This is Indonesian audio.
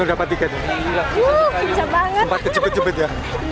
sempat kecepet cepet ya